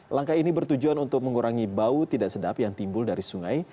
langkah ini bertujuan untuk mengurangi bau tidak sedap yang timbul dari sungai